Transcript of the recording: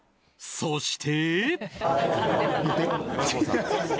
そして。